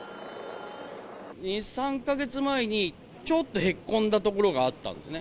２、３か月前に、ちょっとへっこんだ所があったんですね。